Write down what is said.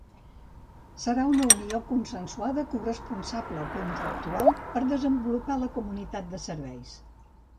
Serà una unió consensuada, corresponsable o contractual per desenvolupar la comunitat de serveis.